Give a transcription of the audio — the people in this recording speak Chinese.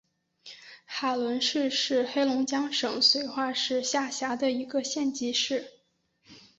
海伦市是黑龙江省绥化市下辖的一个县级市。